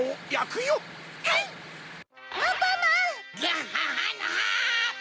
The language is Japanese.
ガハハのハ！